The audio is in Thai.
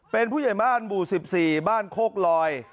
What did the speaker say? เป็นผู้ใหญ่บ้านหมู่สิบสี่บ้านโฆลลอย